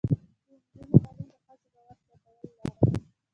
د نجونو تعلیم د ښځو باور زیاتولو لاره ده.